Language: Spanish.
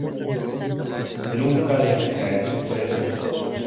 Nunca deja caer su presa.